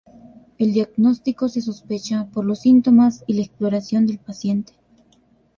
El diagnóstico se sospecha por los síntomas y la exploración del paciente.